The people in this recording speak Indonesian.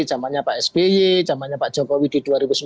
zamannya pak sby zamannya pak jokowi di dua ribu sembilan belas